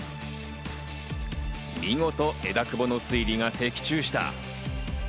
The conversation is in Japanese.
見事、枝久保の推理が的中した。